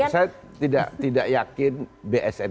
saya tidak yakin bsn